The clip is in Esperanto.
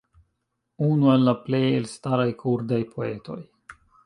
unu el la plej elstaraj kurdaj poetoj